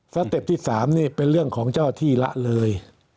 สเต็ปที่๓นี่เป็นเรื่องของเจ้าที่ละเลย